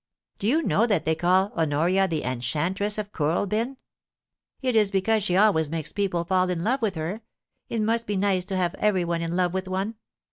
Do you know that they call Honoria the " Enchantress of Kooralbyn ?'^ It is because she always makes people fall in love with her — it must be nice to have everyone in love with one